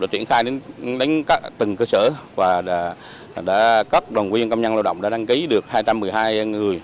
triển khai đến từng cơ sở và các đoàn viên công nhân lao động đã đăng ký được hai trăm một mươi hai người